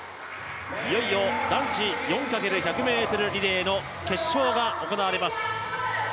いよいよ男子４×１００ｍリレーの決勝が行われます。